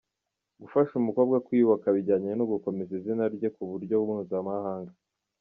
Gufasha umukobwa kwiyubaka bijyanye no gukomeza izina rye ku mu buryo mpuzamahanga.